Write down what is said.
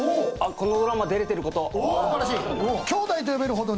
このドラマ出れてること。